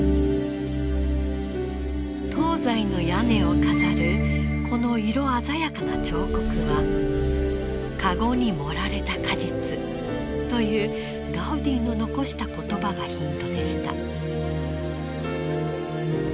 東西の屋根を飾るこの色鮮やかな彫刻はというガウディの残した言葉がヒントでした。